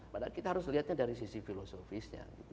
padahal kita harus lihatnya dari sisi filosofisnya